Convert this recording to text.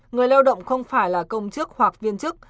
người lao động không phải là công chức hoặc viên chức